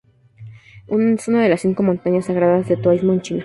Es una de las cinco montañas sagradas del taoísmo en China.